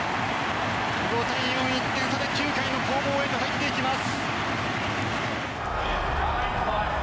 ５対４、１点差で９回の攻防へと入っていきます。